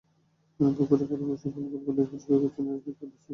পুকুরের পাড়ে বসে ফলগুলো ধুয়ে পরিষ্কার করছিলেন তাঁর স্ত্রী পদ্মশ্রী চাকমা।